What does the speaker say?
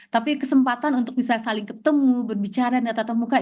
tapi kesempatan untuk bisa saling ketemu berbicara data temuka itu sangat sangat jarang